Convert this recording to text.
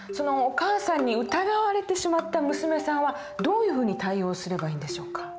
お母さんに疑われてしまった娘さんはどういうふうに対応すればいいんでしょうか？